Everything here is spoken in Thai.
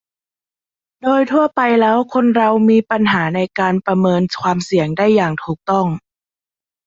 โดยทั่วไปแล้วคนเรามีปัญหาในการประเมินความเสี่ยงได้อย่างถูกต้อง